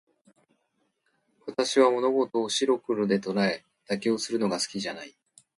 私は物事を白黒で捉え、妥協するのが好きじゃない。